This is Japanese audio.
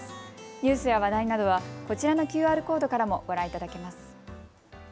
ニュースや話題などはこちらのＱＲコードからもご覧いただけます。